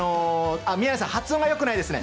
宮根さん、発音がよくないですね。